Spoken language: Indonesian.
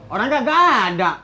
orangnya gak ada